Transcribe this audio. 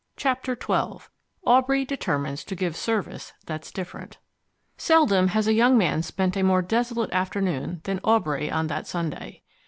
Chapter XII Aubrey Determines to give Service that's Different Seldom has a young man spent a more desolate afternoon than Aubrey on that Sunday.